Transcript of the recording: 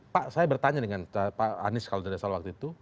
pak saya bertanya dengan pak anies kalau tidak salah waktu itu